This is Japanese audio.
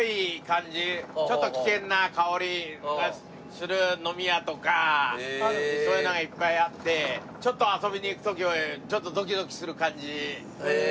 ちょっと危険な香りがする飲み屋とかそういうのがいっぱいあってちょっと遊びに行く時はちょっとドキドキする感じだったんで。